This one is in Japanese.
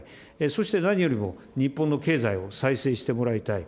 そして何よりも日本の経済を再生してもらいたい。